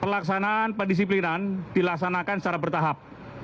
pelaksanaan pendisiplinan dilaksanakan secara bertahap